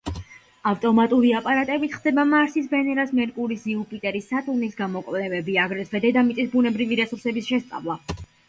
ავტომატური აპარატებით ხდება მარსის, ვენერას, მერკურის, იუპიტერის, სატურნის გამოკვლევები, აგრეთვე დედამიწის ბუნებრივი რესურსების შესწავლა.